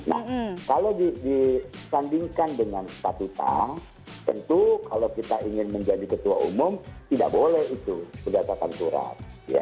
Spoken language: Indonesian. nah kalau disandingkan dengan statuta tentu kalau kita ingin menjadi ketua umum tidak boleh itu berdasarkan surat